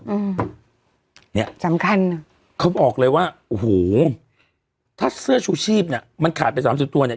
เนี่ยเขาบอกเลยว่าโอ้โหถ้าเสื้อชูชีพเนี่ยมันขาดไป๓๐ตัวเนี่ย